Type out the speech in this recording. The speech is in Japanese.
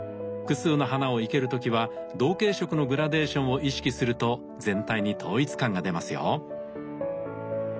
複数の花を生ける時は同系色のグラデーションを意識すると全体に統一感が出ますよ。